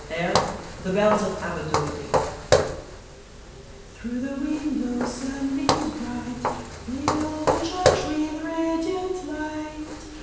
Air: "The Bells of Aberdovey") Through the window, sunbeams bright Fill the church with radiant light.